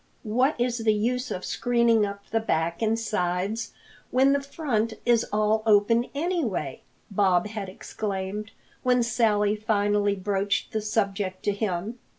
"What is the use of screening up the back and sides when the front is all open anyway?" Bob had exclaimed when Sally finally broached the subject to him.